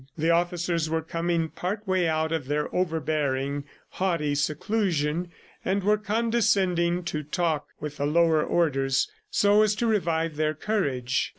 The officers were coming part way out of their overbearing, haughty seclusion, and were condescending to talk with the lower orders so as to revive their courage.